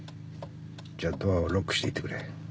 じゃドアをロックして行ってくれ。